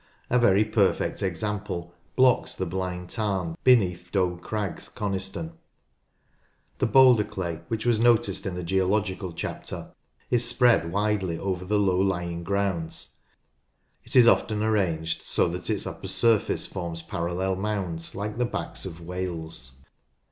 A very perfect example blocks the Blind Tarn, beneath Doe Crags, Coniston. The boulder clay, which was noticed in the geological chapter, is spread widely over the low lying grounds. It is often arranged so that its upper surface forms parallel mounds like the backs of whales.